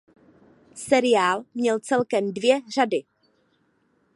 Seriál měl celkem dvě řady.